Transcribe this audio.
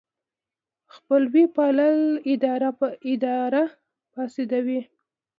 خپلوي پالل اداره فاسدوي.